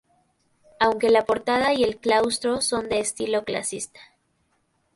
Aunque la portada y el claustro son de estilo clasicista.